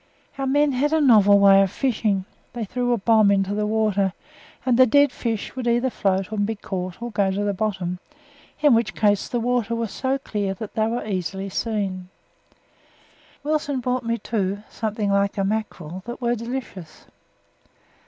Our men had a novel way of fishing; they threw a bomb into the water, and the dead fish would either float and be caught or go to the bottom in which case the water was so clear that they were easily seen. Wilson brought me two, something like a mackerel, that were delicious.